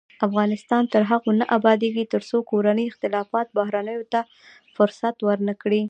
افغانستان تر هغو نه ابادیږي، ترڅو کورني اختلافات بهرنیو ته فرصت ورنکړي.